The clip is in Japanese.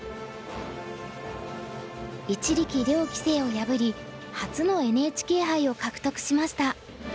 一力遼棋聖を破り初のＮＨＫ杯を獲得しました。